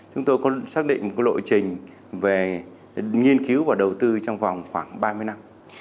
chúng tôi có xác định một lộ trình về nghiên cứu và đầu tư trong vòng khoảng ba mươi năm